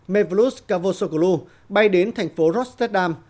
mevlut cavusoglu bay đến thành phố rostedam